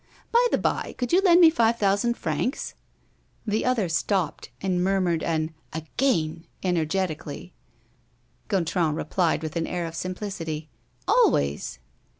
By the bye, could you lend me five thousand francs?" The other stopped, and murmured an "Again!" energetically. Gontran replied, with an air of simplicity: "Always!"